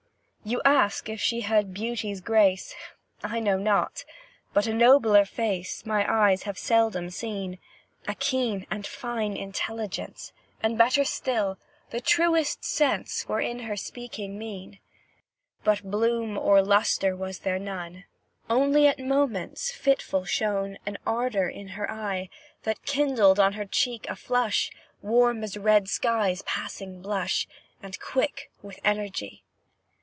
You ask if she had beauty's grace? I know not but a nobler face My eyes have seldom seen; A keen and fine intelligence, And, better still, the truest sense Were in her speaking mien. But bloom or lustre was there none, Only at moments, fitful shone An ardour in her eye, That kindled on her cheek a flush, Warm as a red sky's passing blush And quick with energy.